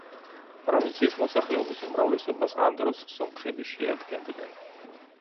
პროვინციის მოსახლეობის უმრავლესობას ამ დროს სომხები შეადგენდნენ.